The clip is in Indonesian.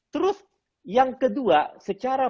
terus yang kedua secara